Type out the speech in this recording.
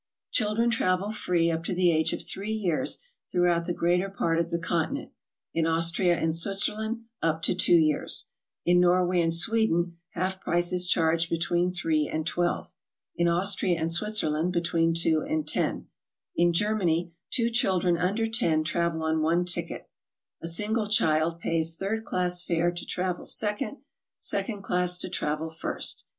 Children travel free up to the age of 3 years through out the greater part of the Continent; in Austria and Switzerland, up to 2 years. In Norway and Sweden half price is charged between 3 and 12; in Austria and Switzer land, between 2 and 10. In Germany two children under 10 travel on one ticket; a single child pays third class fare to travel second; second class to travel first.